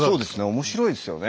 面白いですよね。